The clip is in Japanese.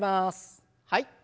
はい。